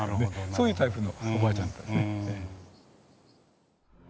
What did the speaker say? そういうタイプのおばあちゃんだったですね。